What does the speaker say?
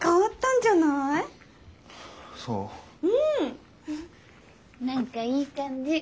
なんかいい感じ。